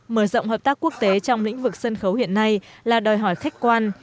mở rộng hợp tác quốc tế trong lĩnh vực sân khấu hiện nay là đòi hỏi khách quan